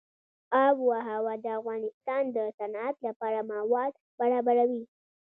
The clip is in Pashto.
آب وهوا د افغانستان د صنعت لپاره مواد برابروي.